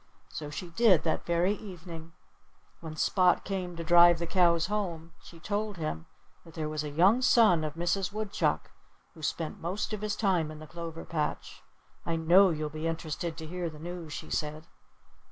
So she did, that very evening. When Spot came to drive the cows home she told him that there was a young son of Mrs. Woodchuck who spent most of his time in the clover patch. "I know you'll be interested to hear the news," she said.